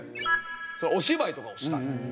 「お芝居とかをしたい」と。